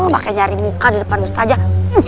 pake nyari muka di depan ustazah